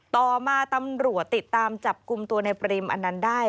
ต่อมาตำรวจติดตามจับกลุ่มตัวในเปรมอันนั้นได้